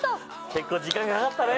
結構時間かかったね。